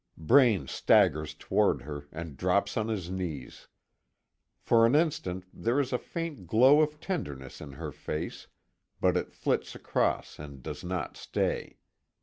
Braine staggers toward her, and drops on his knees. For an instant, there is a faint glow of tenderness in her face, but it flits across and does not stay.